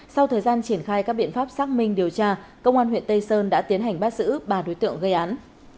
sau thời gian triển khai các biện pháp xác minh điều tra công an huyện tây sơn đã tiến hành bắt giữ ba đối tượng gây án